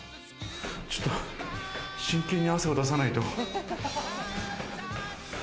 ちょっと真剣に汗を出さないと。